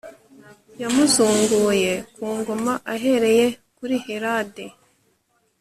yamuzunguye ku ngoma ahereye kuri helade